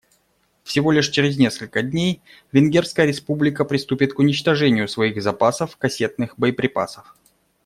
Всего лишь через несколько дней Венгерская Республика приступит к уничтожению своих запасов кассетных боеприпасов.